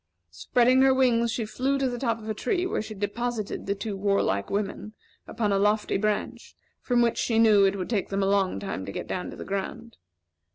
Spreading her wings she flew to the top of a tree where she deposited the two warlike women upon a lofty branch, from which she knew it would take them a long time to get down to the ground.